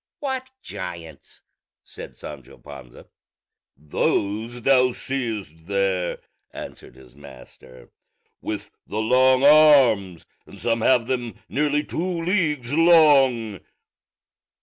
"What giants?" said Sancho Panza. "Those thou seest there," answered his master, "with the long arms; and some have them nearly two leagues long."